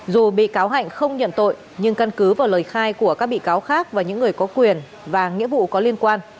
dù bị cáo hạnh không nhận tội nhưng căn cứ vào lời khai của các bị cáo khác và những người có quyền và nghĩa vụ có liên quan